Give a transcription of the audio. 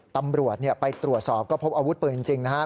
ตำรวจไปตรวจสอบก็พบอาวุธปืนจริงนะครับ